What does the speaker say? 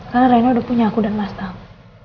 karena rena udah punya aku dan mas tam